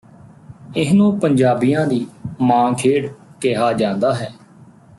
ਇਹਨੂੰ ਪੰਜਾਬੀਆਂ ਦੀ ਮਾਂ ਖੇਡ ਕਿਹਾ ਜਾਂਦਾ ਹੈ